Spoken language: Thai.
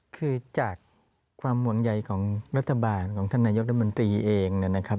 คือจากความห่วงใยของรัฐบาลของท่านนายกรัฐมนตรีเองนะครับ